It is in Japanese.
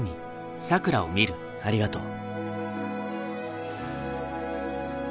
ありがとう。